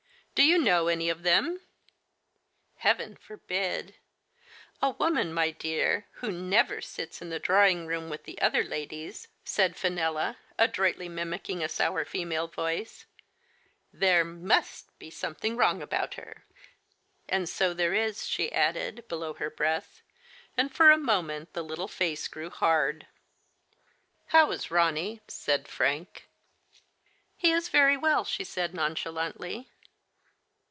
Do you know any of them ?"" Heaven forbid ! A woman, my dear, who never sits in the drawing room with the other ladies," said Fenella, adroitly mimicking a sour female voice, " there must be something wrong about her. And so there is," she added, below her breath, and for a moment the little face grew hard. " How is Ronny ?" said Frank. "He is very well," she said nonchalantly.